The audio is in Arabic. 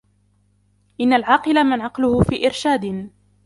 إنَّ الْعَاقِلَ مَنْ عَقْلُهُ فِي إرْشَادٍ